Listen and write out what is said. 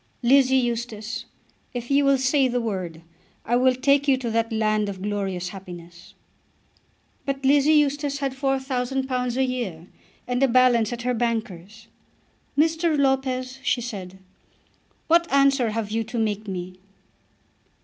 Lizzie Eustace, if you will say the word, I will take you to that land of glorious happiness." But Lizzie Eustace had £4000 a year and a balance at her banker's. "Mr. Lopez," she said. "What answer have you to make me?"